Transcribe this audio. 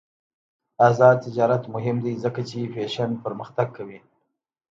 آزاد تجارت مهم دی ځکه چې فیشن پرمختګ کوي.